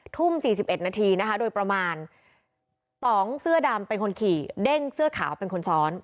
ทุ่ม๔๑นาทีนะคะโดยประมาณตองเสื้อดำเป็นคนขี่เด้งเสื้อขาวเป็นคนซ้อน